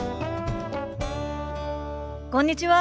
こんにちは。